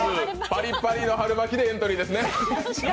パリパリの春巻きでエントリーですね。